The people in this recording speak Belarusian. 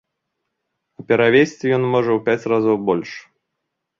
А перавезці ён можа у пяць разоў больш.